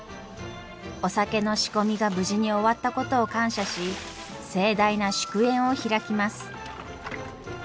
お酒の仕込みが無事に終わったことを感謝し盛大な祝宴を開きます。